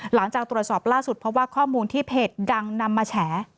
หลังจากตรวจสอบล่าสุดเพราะว่าข้อมูลที่เพจดังนำมาแฉ